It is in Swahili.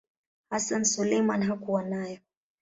Hassan Suleiman hakuwa nayo.